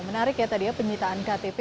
menarik ya tadi ya penyitaan ktp